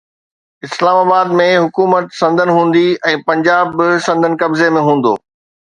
اسلام آباد ۾ حڪومت سندن هوندي ۽ پنجاب به سندن قبضي ۾ هوندو.